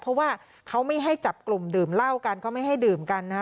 เพราะว่าเขาไม่ให้จับกลุ่มดื่มเหล้ากันเขาไม่ให้ดื่มกันนะฮะ